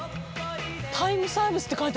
「タイムサービス」って書いてあるわよ